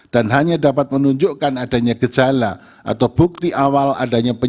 dan hanya dapat menunjukkan adanya gejala atau bukti awal adanya pemilihan